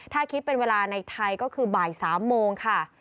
ถ้าคิดเป็นเวลาในไทยก็คือบ่าย๓โมงค่ะ